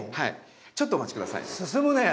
ちょっとお待ち下さいね。